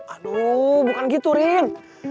aduh bukan gitu rin